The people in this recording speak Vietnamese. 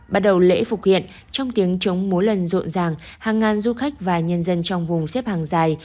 bắt đầu lễ phục hiện trong tiếng chống múa lần rộn ràng hàng ngàn du khách và nhân dân trong vùng xếp hàng dài